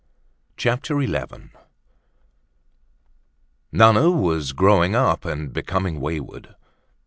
CHAPTER XI Nana was growing up and becoming wayward.